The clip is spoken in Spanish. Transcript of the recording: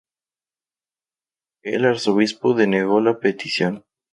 El arzobispo denegó la petición.